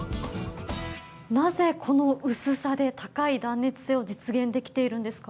なぜこの薄さで高い断熱性を実現できているんですか？